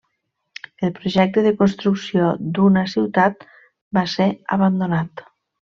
El projecte de construcció d'una ciutat va ser abandonat.